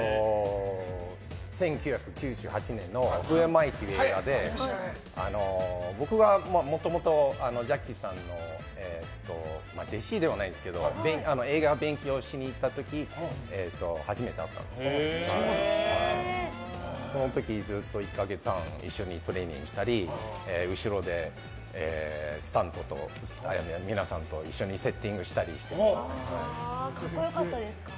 １９９８年の「ＷＨＯＡＭＩ？」という映画で僕がもともとジャッキーさんの弟子ではないですけど映画を勉強しに行った時初めて会ったんですけどその時にずっと１か月半一緒にトレーニングしたり後ろでスタントと皆さんと一緒に格好良かったですか？